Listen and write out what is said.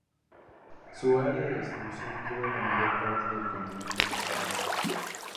Su área de distribución cubre la mayor parte del continente americano.